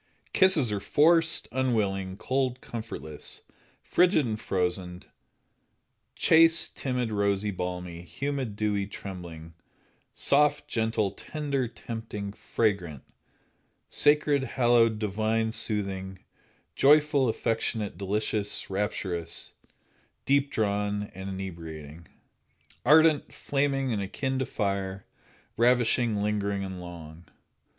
Kisses are forced, unwilling, cold, comfortless, frigid and frozen, chaste, timid, rosy, balmy, humid, dewy, trembling, soft, gentle, tender, tempting, fragrant, sacred, hallowed, divine, soothing, joyful, affectionate, delicious, rapturous, deep drawn and inebriating, ardent, flaming and akin to fire, ravishing, lingering and long.